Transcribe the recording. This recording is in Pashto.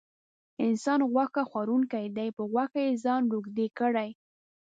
انسان غوښه خوړونکی دی په غوښو یې ځان روږدی کړی.